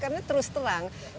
karena terus terang